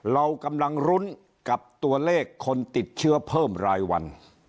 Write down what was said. เรากำลังรุ้นกับตัวเลขคนติดเชื้อเพิ่มรายวัน